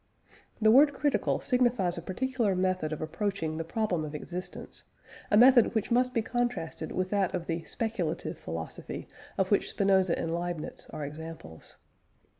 The word critical signifies a particular method of approaching the problem of existence, a method which must be contrasted with that of the speculative philosophy, of which Spinoza and Leibniz are examples.